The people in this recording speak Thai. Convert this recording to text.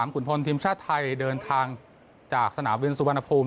ขุนพลทีมชาติไทยเดินทางจากสนามบินสุวรรณภูมิ